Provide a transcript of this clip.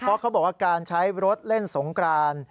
เพราะเขาบอกว่าการใช้รถเล่นสงกราน